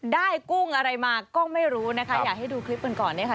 กุ้งอะไรมาก็ไม่รู้นะคะอยากให้ดูคลิปกันก่อนนะคะ